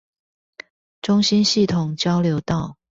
中興系統交流道